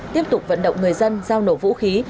tiếp tục vận động người dân giao nổ vũ khí